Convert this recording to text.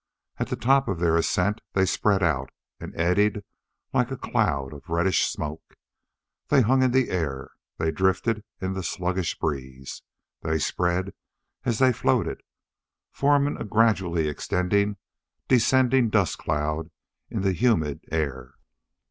At the top of their ascent they spread out and eddied like a cloud of reddish smoke. They hung in the air. They drifted in the sluggish breeze. They spread as they floated, forming a gradually extending, descending dust cloud in the humid air.